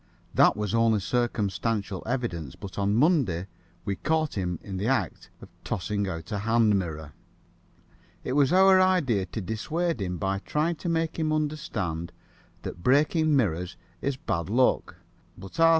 That was only circumstantial evidence, but on Monday we caught him in the act of tossing out a hand mirror. It was our idea to dissuade him by trying to make him understand that breaking mirrors is bad luck, but R.